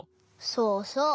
そうそう！